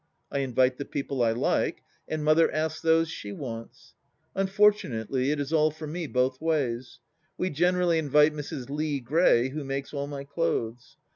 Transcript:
I invite the people I like, and Mother asks those she wants. Unfortunately it is all for me both ways. We generally invite Mrs. Lee Gray, who makes all my clothes.